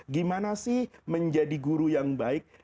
gimana sih menjadi guru yang baik